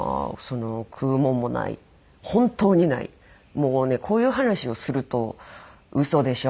もうねこういう話をすると嘘でしょ？